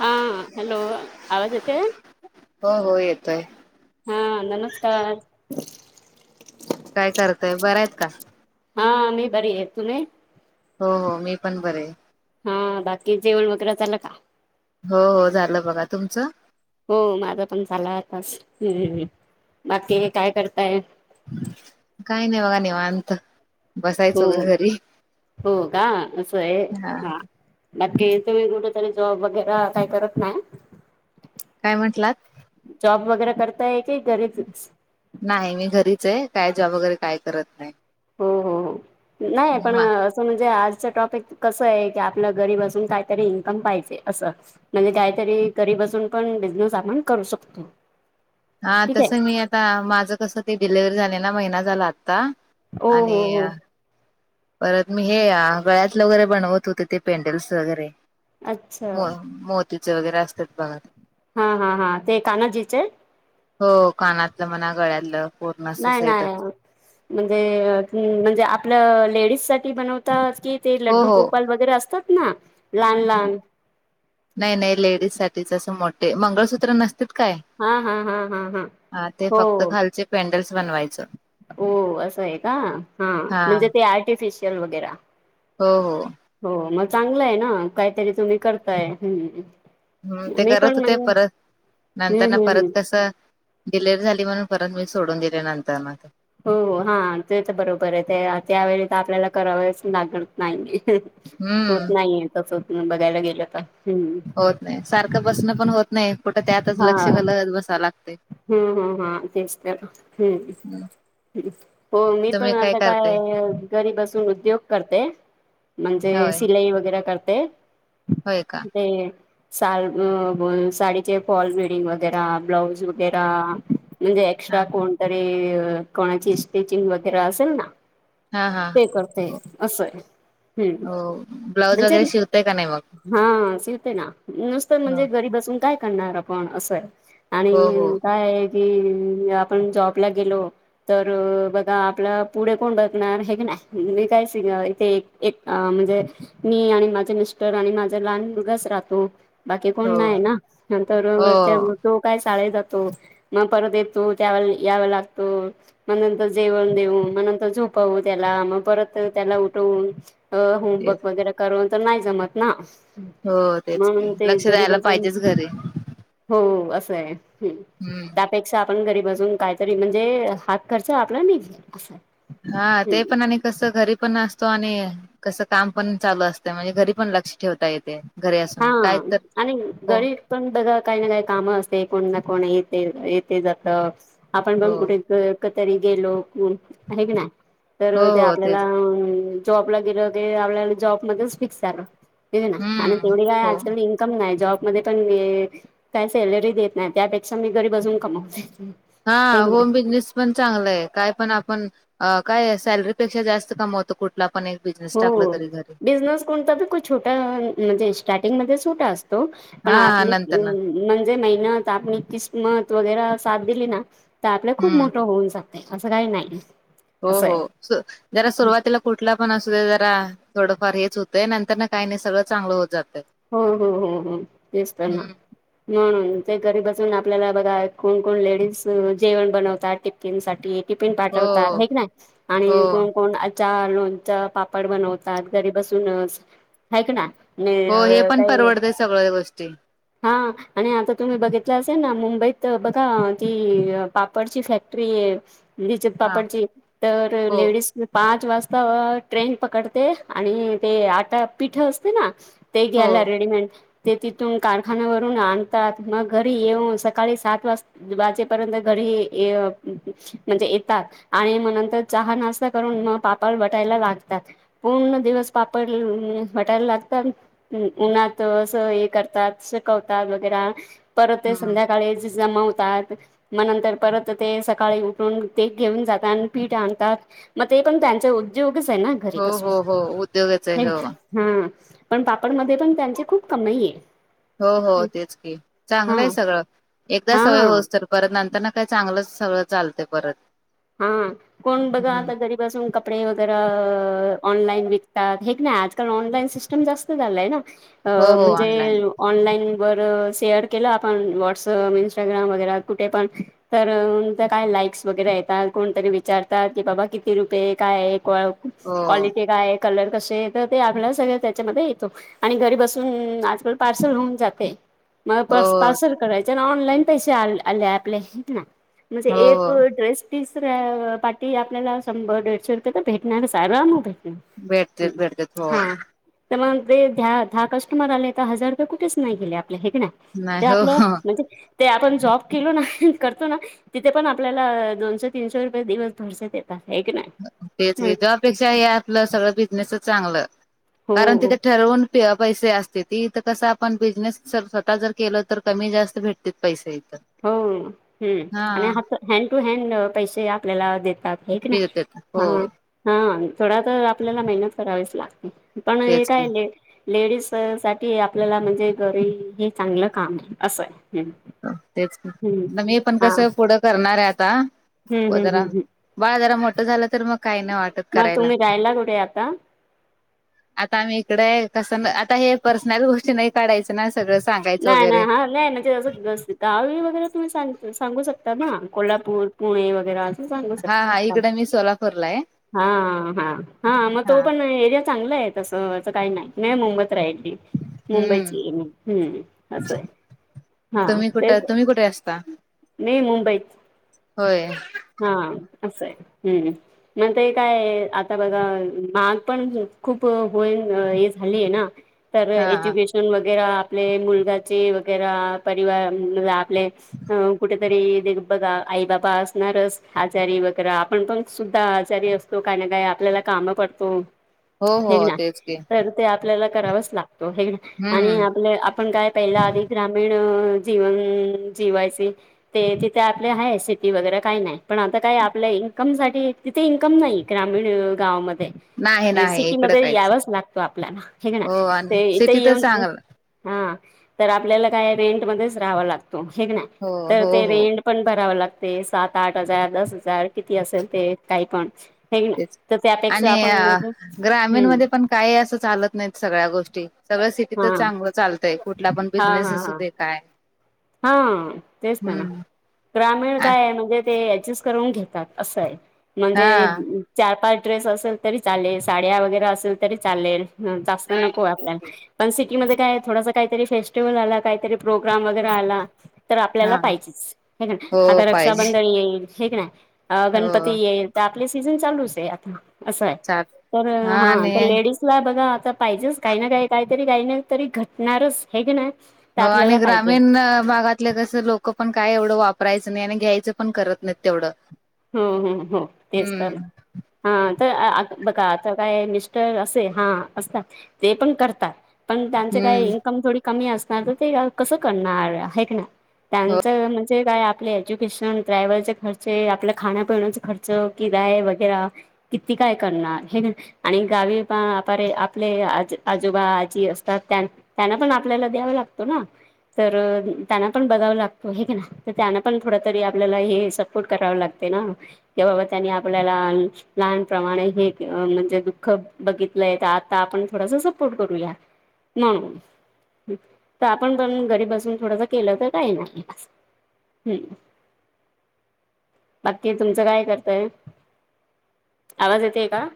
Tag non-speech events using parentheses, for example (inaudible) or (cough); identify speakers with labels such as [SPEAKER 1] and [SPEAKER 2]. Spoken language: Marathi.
[SPEAKER 1] हां, हॅलो, आवाज येतय?
[SPEAKER 2] हो हो, येतोय.
[SPEAKER 1] हां, नमस्कार (unintelligible)
[SPEAKER 2] काय करतय? बरं आहेत का?
[SPEAKER 1] हां, मी बरी आहे, तुम्ही?
[SPEAKER 2] हो हो मी पण बरीय.
[SPEAKER 1] हां, बाकी जेवण वगैरे झालं का?
[SPEAKER 2] हो, हो झालं बघा, तुमचं?
[SPEAKER 1] हो, माझ पण झालाय आताच्, बाकी काय करताय?
[SPEAKER 2] काही नाही बघा, निवांत. बसायचो
[SPEAKER 1] हम्म,
[SPEAKER 2] ग घरी
[SPEAKER 1] हो का? आसय
[SPEAKER 2] हा
[SPEAKER 1] हान. बाक्की तुम्ही कुठ तरी जॉब वगैरे काय करत नाय?
[SPEAKER 2] काय म्हंटलात?
[SPEAKER 1] जॉब वगैरे करताय की घरीचच?
[SPEAKER 2] नाही, मी घरीच आहे, काय जॉब वगैरे काय करत नाही.
[SPEAKER 1] हो, हो, हो नाही पण.
[SPEAKER 2] मा-
[SPEAKER 1] म्हणजे आजचं टॉपिक कसं आहे, की आपल्या घरी बसुन काहीतरी इन्कम पाहिजे असं. म्हणजे काहीतरी घरी बसून पण बिझनेस आपण करू शकतो.
[SPEAKER 2] हां,
[SPEAKER 1] ठीक
[SPEAKER 2] तस
[SPEAKER 1] आहे
[SPEAKER 2] मी आता माझं कसं ते डिलेव्हरी झाले ना, महिना झाला आता.
[SPEAKER 1] ओ हो
[SPEAKER 2] आणि.
[SPEAKER 1] हो
[SPEAKER 2] परत मी हे या गळ्यातलं वगैरे बनवत होते ते पेंडल्स वगैरे.
[SPEAKER 1] अच्छा
[SPEAKER 2] मो, मोतीचे वगैरे असतात बघ.
[SPEAKER 1] हा, हा, हा ते कानाजीचे.
[SPEAKER 2] हो, कानातलं म्हणा, गळ्यातलं. पूर्ण असं
[SPEAKER 1] नाही, नाही
[SPEAKER 2] सेटच
[SPEAKER 1] म्हणजे म्हणजे आपलं लेडीज सा बनवतात की ते
[SPEAKER 2] हो
[SPEAKER 1] लड्डू
[SPEAKER 2] हो
[SPEAKER 1] गोपाल वगैरे असतात ना, लहान, लहान
[SPEAKER 2] नाही, नाही लेडीज साठीच असं मोठे, मंगळसूत्र नसत काय?
[SPEAKER 1] हा, हा, हा, हा हा
[SPEAKER 2] ते
[SPEAKER 1] हो.
[SPEAKER 2] फक्त खालचे पेंडल्स बनवायचं
[SPEAKER 1] हो, असं आहे का? हा, म्हणजे ते आर्टिफिशियल वगैर.
[SPEAKER 2] हो हो.
[SPEAKER 1] हो मग चांगलं आहे ना काहीतरी तुम्ही करताय ह.
[SPEAKER 2] हम्म ते करत होते परत
[SPEAKER 1] हम्म
[SPEAKER 2] नंतरना
[SPEAKER 1] हम्म
[SPEAKER 2] परत
[SPEAKER 1] हम्म
[SPEAKER 2] कसं. डिलेवरी झाली म्हणून परत मी सोडून दिले नंतर मग.
[SPEAKER 1] हो हा ते तर बरोबर आहे ते त्यावेळी तर आपल्याला करावच लागत नाहीे. होत
[SPEAKER 2] हम्म
[SPEAKER 1] नाहीय तस होत बघायला गेलं तर हम्.
[SPEAKER 2] होत नाही सारखं बसणं पण होत नाही. कुठं त्यातच
[SPEAKER 1] हा
[SPEAKER 2] लक्ष घालत बसावं लागते
[SPEAKER 1] हम्म हम्म हम तेच तर हम्म. हो मी
[SPEAKER 2] तुम्ही
[SPEAKER 1] पण
[SPEAKER 2] काय
[SPEAKER 1] आता
[SPEAKER 2] करताय
[SPEAKER 1] काय? घरी बसून उद्योग करते म्हणजे
[SPEAKER 2] होय
[SPEAKER 1] शिलाई वगैरे करते.
[SPEAKER 2] होय का?
[SPEAKER 1] ते,, साल अ साडीऽ ते फॉल बिडींग वगैरा, ब्लाउज वगैरा,, म्हणजे
[SPEAKER 2] हा
[SPEAKER 1] एस्ट्रा कोण तरीऽ कोणाची स्टिचिंग वगैरे असेल ना
[SPEAKER 2] हा हा
[SPEAKER 1] ते करतेय,
[SPEAKER 2] हो
[SPEAKER 1] असं, हम्म,
[SPEAKER 2] हो. ब्लाऊज
[SPEAKER 1] म्हणजे.
[SPEAKER 2] वगैरे शिवताय का नाही मग
[SPEAKER 1] हा, शिवते ना, नुसतं
[SPEAKER 2] हो
[SPEAKER 1] म्हणजे घरी बसून. काय करणार आपण असंय
[SPEAKER 2] हो
[SPEAKER 1] आणि काय आहे की आपण जॉबला गेलो तर बघा आपला पुढे कोण बघणार हे नाही मी काय स इथे एक म्हणजे मी आणि माझे मिस्टर आणि माझा लहान मुलगाच राहतो. बाकी कोण
[SPEAKER 2] हो
[SPEAKER 1] नाही ना
[SPEAKER 2] हो
[SPEAKER 1] नंतर त्या
[SPEAKER 2] हो.
[SPEAKER 1] तो काय शाळेत जातो. मग परत येतो त्यावेळेस याव लागतो. मग नंतर जेवण देऊ, मग नंतर झोपावू त्याला, मग परत त्याला उठवून अ
[SPEAKER 2] तेच
[SPEAKER 1] होमवर्क वगैरे करून तर नाही जमत ना
[SPEAKER 2] हो तेच की
[SPEAKER 1] म्हण ते
[SPEAKER 2] लक्ष
[SPEAKER 1] घरी
[SPEAKER 2] द्यायला
[SPEAKER 1] बसून
[SPEAKER 2] पाहिजेच घरी
[SPEAKER 1] हो असं ये, हम
[SPEAKER 2] हम्म.
[SPEAKER 1] त्यापेक्षा आपण घरी बजून काहीतरी म्हणजे हात खर्च आपला निघ असा
[SPEAKER 2] हा ते पण आणि कस घरी पण असतो आणि कसं काम पण चालू असत म्हणजे घरी पण लक्ष ठेवता येते. घरी
[SPEAKER 1] हा
[SPEAKER 2] असून काय तर
[SPEAKER 1] आणि
[SPEAKER 2] हो
[SPEAKER 1] घरी पण बघा काही ना काही कामं असते कोण ना कोण येते येते जात. आपण
[SPEAKER 2] हो
[SPEAKER 1] पण कुठे तरी गेलो आहे का नाय
[SPEAKER 2] हो
[SPEAKER 1] तर ते
[SPEAKER 2] हो
[SPEAKER 1] आपल्याला
[SPEAKER 2] तेच
[SPEAKER 1] जॉबला गेलं की आपल्याला जॉबमध्येच फिक्स झालं. ते ना आणि
[SPEAKER 2] हम्म
[SPEAKER 1] तेवढी काय
[SPEAKER 2] हो
[SPEAKER 1] आजकाल इन्कम नाही जॉबमध्येध्ये पण काय सॅलरी देत नाही त्यापेक्षा मी घरी बसून कमवते.
[SPEAKER 2] हा होम बिझनेस. पण चांगलंय काय पण आपण काय सॅलरीपेक्षा जास्त कमवतो कुठ कुठला पण एक बिजनेस.
[SPEAKER 1] हो बिझनेस कोणता छोटा म्हणजे स्टार्टिंगमध्ये छोटा असतो. पण
[SPEAKER 2] हा हा
[SPEAKER 1] आपले
[SPEAKER 2] नंतर ना
[SPEAKER 1] आम् म्हणजे मेहनत आपण किस्मत वगैरे साथ दिली ना तर आपल्या खूप
[SPEAKER 2] हम्म
[SPEAKER 1] मोठं होऊन जात. असं काही नाही.
[SPEAKER 2] हो
[SPEAKER 1] असं
[SPEAKER 2] हो
[SPEAKER 1] आहे
[SPEAKER 2] जरा सुरुवातीला कुठला पण असू दे जरा थोडंफार हेच होतंय नंतर ना काही नाही सगळं चांगलं होत जातय.
[SPEAKER 1] हो हो हो हो तेच तर ना
[SPEAKER 2] हम्म
[SPEAKER 1] म्हणून ते घरी बसून आपल्याला बघा कोण कोण लेडीज जेवण बनवतात टिफिनसाठी टिफिन
[SPEAKER 2] हो
[SPEAKER 1] पाठवतात आहे का नाही
[SPEAKER 2] हो
[SPEAKER 1] आणि कोण कोण आचार, लोणच, पापड बनवतात घरी बसूनच हाय की नाय.
[SPEAKER 2] हो हे
[SPEAKER 1] आणि
[SPEAKER 2] पण
[SPEAKER 1] काही
[SPEAKER 2] परवडत सगळ्या गोष्टी
[SPEAKER 1] हा आणि आता तुम्ही बघितलं असेल ना मुंबईत बघा ती पापडची फॅक्ट फॅक्टरी लिज्जत
[SPEAKER 2] हा
[SPEAKER 1] पापडची तर
[SPEAKER 2] हो
[SPEAKER 1] लेडीज पाच वाजता ट्रेन पकडते आणि ते आटा पिठ असते ना ते
[SPEAKER 2] हो
[SPEAKER 1] ग्याला रेडीमेंट ते तिथून कारखान्यावरून आणतात मग घरी येऊन सकाळी सात वाजता वाचेपर्यंत घरी ये म्हणजे येतात. आणि मग नंतर चहा नाश्ता करून मग पापड बटायला लागतात पूर्ण दिवस पापड वाटायला लागतात उन्हात असं हे करतात शेकावतात वैगेरा परत
[SPEAKER 2] हम्म
[SPEAKER 1] संध्याकाळी ज जमावतात मग नंतर परत ते सकाळी उठून ते घेऊन जातात आणि पीठ आणतात,. मग ते पण त्यांचा उद्योगच आहे ना
[SPEAKER 2] हो
[SPEAKER 1] घरीपसून
[SPEAKER 2] हो हो उद्योगाच आहे हो
[SPEAKER 1] हम्म, पण पापडमध्ये पण त्यांची खूप कमाई आहे.
[SPEAKER 2] हो हो तेच की चांगलं
[SPEAKER 1] हा
[SPEAKER 2] आहे सगळं एकदा सवय
[SPEAKER 1] हा
[SPEAKER 2] होच परत नंतर ना काही चांगलंच सगळं चालते परत.
[SPEAKER 1] हा कोण बघा
[SPEAKER 2] हम्म
[SPEAKER 1] आता घरी अजून कपडे वगैरे ऑनलाईन विकतात हे का नाही. ऑनलाइन सिस्टम जास्त झालाय ना
[SPEAKER 2] हो हो
[SPEAKER 1] म्हणजे
[SPEAKER 2] ऑनलाईन
[SPEAKER 1] ऑनलाईन वर शेअर केलं आपण व्हॉट्सअप इंस्टाग्राम वगैरे कुठे पण तर त्या काय लाईक्स वगैरे आहेत. कोणतरी विचारतात की बाबा किती रुपये काय आहे,
[SPEAKER 2] हो
[SPEAKER 1] क्वालिटी काय आहे कलर कसे येत ते आपल्या सगळं त्याच्यामध्ये येतो आणि घरी बसून आजकाल पार्सल होऊन जाते. मग
[SPEAKER 2] हो
[SPEAKER 1] पर्स पार्सल करायचे ना ऑनलाईन पैसे आ आले आपले ना म्हणजे
[SPEAKER 2] हो
[SPEAKER 1] एक
[SPEAKER 2] हो
[SPEAKER 1] ड्रेस तिसऱ्या पाठी आपल्याला शंभर दीडशे रुपये तर भेटणार सारं अम भेटणार
[SPEAKER 2] भेटतेत
[SPEAKER 1] हम्
[SPEAKER 2] भेटतेत हो
[SPEAKER 1] हा तर मग ते द दहा कस्टमर आले तर हजार रुपये कुठेच नाही गेले आपल्या हाय की ना,
[SPEAKER 2] नाही
[SPEAKER 1] ते
[SPEAKER 2] हो
[SPEAKER 1] आपलं
[SPEAKER 2] हो
[SPEAKER 1] म्हणजे ते आपण जॉब केलो ना करतो ना तिथे पण आपल्याला दोनशे तीनशे रुपये दिवस भरचे देत. हाय की ना
[SPEAKER 2] तेच जॉपेक्षा हे आपलं सगळं बिझनेसच चांगलं
[SPEAKER 1] हो
[SPEAKER 2] कारण तिथे ठरवून पैसे असते ती इथं कसं आपण बिझनेसर स्वतः जर केलं तर कमी जास्त भेटते पैसे इथं
[SPEAKER 1] हो
[SPEAKER 2] हा
[SPEAKER 1] आणि ह हँड टू हॅड पैसे आपल्याला देतात. हाय की ना
[SPEAKER 2] भेटतेत हो
[SPEAKER 1] हा थोडा तर आपल्याला मेहनत करावीच लागते पण हे
[SPEAKER 2] तेच
[SPEAKER 1] काय,
[SPEAKER 2] की
[SPEAKER 1] लेडीज साठी आपल्याला म्हणजे घरी हे चांगलं काम असं आहे.
[SPEAKER 2] तेच
[SPEAKER 1] हम्म
[SPEAKER 2] मी पण
[SPEAKER 1] हा
[SPEAKER 2] कसं पुढं करणार आहे आता
[SPEAKER 1] हम्म
[SPEAKER 2] हो
[SPEAKER 1] हम्म
[SPEAKER 2] जरा
[SPEAKER 1] हम्म हम्
[SPEAKER 2] बाळा जरा मोठ झालं तर मग काही नाही वाटत
[SPEAKER 1] मग
[SPEAKER 2] करायला.
[SPEAKER 1] तुम्ही राहायला कुठे आता
[SPEAKER 2] आता आम्ही इकडे कसं आता हे पर्सनल गोष्टी नाही. काढायं ना सगळं सांग
[SPEAKER 1] नाही नाही हा नाही म्हणजे ह व्यवस्थित गावेळी वगैरे तुम्ही सांग सांगू शकताात ना कोल्हापूर पुणे वगैरे सांगू
[SPEAKER 2] हा हा
[SPEAKER 1] शकता
[SPEAKER 2] इकडे मी सोलापूरला आहे.
[SPEAKER 1] हा हा हा मग तो पण एरिया चांगला आहे तसं काही नाही मी मुंबईत राहिली.
[SPEAKER 2] हम्म
[SPEAKER 1] मुंबईची हम्म असं आहे हा तेच-
[SPEAKER 2] का
[SPEAKER 1] मी मुंबईत
[SPEAKER 2] होय.
[SPEAKER 1] हा असं आहे हम्म मणता काय आता बघा महाग पण खूप होईल हे झाली आहे ना, तर
[SPEAKER 2] हा
[SPEAKER 1] एज्युकेशन वगैरे आपले मुलगाचे वगैरे परिवार मुलगा प्ले्स कुठेतरी बघा आई बाबा असणारच आजारी वगैरे आपण पण सुद्धा आजारी असतो. तो काय ना काय आपल्याला काम पडतो.
[SPEAKER 2] हो हो
[SPEAKER 1] हे ना
[SPEAKER 2] तेच की
[SPEAKER 1] तर ते आपल्याला करावंच लागतो हे ना, आणि
[SPEAKER 2] हम्म
[SPEAKER 1] आपलं आपण काय पहिल्या आधी ग्रामीण जीवन जिवायचे. ते तिथे आपले आहे शेती वगैरे काही नाय पण आता काय आपल्या इन्कम साठी ते इन्कम नाही ग्रामीण गावामध्ये-
[SPEAKER 2] नाही
[SPEAKER 1] ए
[SPEAKER 2] नाही
[SPEAKER 1] सिकी
[SPEAKER 2] इकडं
[SPEAKER 1] मध्ये
[SPEAKER 2] काहीच
[SPEAKER 1] यावच लागतो आपल्याला हे का
[SPEAKER 2] हो
[SPEAKER 1] नाय
[SPEAKER 2] आणि
[SPEAKER 1] ते इथे
[SPEAKER 2] सिटीतच
[SPEAKER 1] येऊन
[SPEAKER 2] चांगलं
[SPEAKER 1] हा तर आपल्याला काय रेंट मध्येच राहावा लागतो हेक ना
[SPEAKER 2] हो
[SPEAKER 1] तर
[SPEAKER 2] हो
[SPEAKER 1] ते
[SPEAKER 2] हो
[SPEAKER 1] रेंट पण भराव लागते सात आठ हजार दस हजार किती असेल ते काही पण हे ना
[SPEAKER 2] तेच
[SPEAKER 1] तर त्यापेक्षा
[SPEAKER 2] आणि
[SPEAKER 1] आपण म्हणजे हम्म
[SPEAKER 2] ग्रामीणमध्ये पण काही असं चालत नाहीत सगळ्या गोष्टी सगळ्या
[SPEAKER 1] हा
[SPEAKER 2] सिटीतच चांगलं चालतय कुठला पण
[SPEAKER 1] हा
[SPEAKER 2] बिझनेस
[SPEAKER 1] हा
[SPEAKER 2] असू दे काय
[SPEAKER 1] हा तेच ते ना,
[SPEAKER 2] हम्म
[SPEAKER 1] ग्रामीण काय आहे म्हणजे ते ऍडजस्ट. करून घेतात असेय म्हणजे,
[SPEAKER 2] हा
[SPEAKER 1] चार पाच ड्रेस असेल तरी चालेल साड्या वगैरे असेल तरी चालेल जास्त नको आपल्याला पण सिटीमध्ये काय थोडासा काहीतरी फेस्टिवल आला काहीतरी प्रोग्राम वगैरे आला. तर आपल्याला
[SPEAKER 2] हा
[SPEAKER 1] पाहिजेच, हे कनी
[SPEAKER 2] हो
[SPEAKER 1] आता
[SPEAKER 2] पाहिजे
[SPEAKER 1] रक्षाबंधन येईल हे कनी गणपती
[SPEAKER 2] हो
[SPEAKER 1] येईल. तर आपले सीझन चालूच आहे. आता असं आहे
[SPEAKER 2] चाल
[SPEAKER 1] तर हा तर लेडीज, बघा आता पाहिजेच काही ना, काही काहीतरी काही ना तरी घटणारच हाय की नाय.
[SPEAKER 2] हो आणि ग्रामीण. भागातलं कसं लोक पण काय, एवढं वापरायचं नाही आणि घ्यायचं पण करत नाही तेवढ.
[SPEAKER 1] हो हो हो, तेच तर. हा, तर बघा आता काय मिस्टर असे हा असतात. ते पण करतात, पण त्यांच काय
[SPEAKER 2] हम्म
[SPEAKER 1] इन्कम थोडी. कमी असणार तर, ते कसं करणार आहे काय नाय. त्याचं म्हणजे काय, आपले एज्युकेशन ट्रॅव्हलचे खर्च आपले. खाण्यापिण्याचा खर्च, किराय वगैरा किती काय करणार हे कणी. आणि गावी पण अपारे, आपले आजोबा आजी असतात त्यां त्यांना पण आपल्याला द्यावा लागतो ना. तर त्यांना पण बघाव लागतो हे की ना, तर त्यांना पण थोड तरी आपल्याला हे सपोर्ट कराव लागतो. ना ते बाबा त्यांनी आपल्याला. लहानप्रमाणे हे म्हणजे, दुःख बघितलंय तर आता आपण थोडस सपोर्ट करूया. म्हणून, तर आपण बनवून घरी बसून थोडस केलं तर काही ना बस. हम. बाकी तुमचं काय करताय, आवाज येतेय का